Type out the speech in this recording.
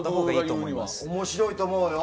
面白いと思うよ。